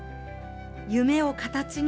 夢を形に。